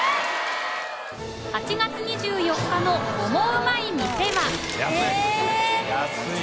８月２４日の「オモウマい店」は安い！